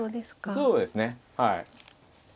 そうですねはい。